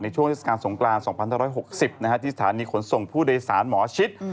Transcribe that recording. ช่วงเทศกาลสงกราน๒๑๖๐ที่สถานีขนส่งผู้โดยสารหมอชิด